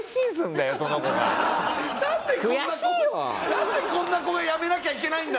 なんでこんな子が辞めなきゃいけないんだ！